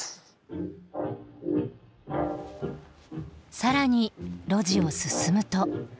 更に路地を進むと。